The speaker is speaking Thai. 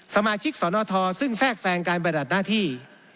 ๔สมาชิกสนทซึ่งแทรกแทรกการแบดหน้าที่